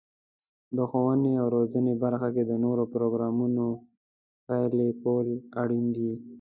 د ښوونې او روزنې برخه کې د نوو پروګرامونو پلي کول اړین دي.